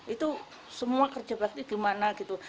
itu semua kerja bakti gimana gitu